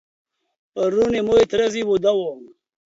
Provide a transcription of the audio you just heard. پرون ځما دتره دځوی واده و.